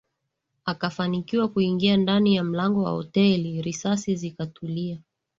Akafanikiwa kuingia ndani ya mlango wa hoteli risasi zikatulia